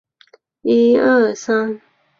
而其他哺乳动物则形状形态各不相同。